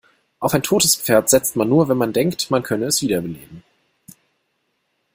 Auf ein totes Pferd setzt man nur, wenn man denkt, man könne es wiederbeleben.